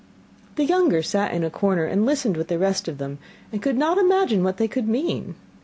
The younger sat in a corner and listened with the rest of them, and could not imagine what they could mean.